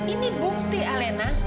ini bukti alena